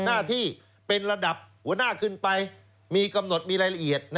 หน้าที่เป็นระดับหัวหน้าขึ้นไปมีกำหนดมีรายละเอียด